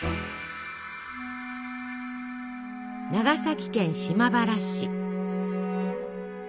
長崎県島原市。